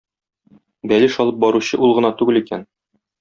Бәлеш алып баручы ул гына түгел икән.